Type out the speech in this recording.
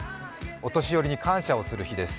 お年寄りに感謝をする日です。